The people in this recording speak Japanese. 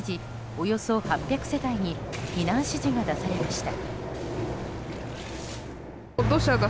およそ８００世帯に避難所が出されました。